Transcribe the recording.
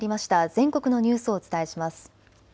全国のニュースをお伝えします。